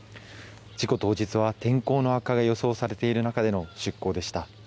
事故当時は天候の悪化が予想されている中での出港でした。